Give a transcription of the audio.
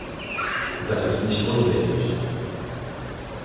Das ist nicht unwichtig.